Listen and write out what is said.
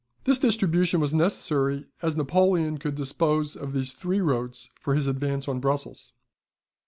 This distribution was necessary, as Napoleon could dispose of these three roads for his advance on Brussels.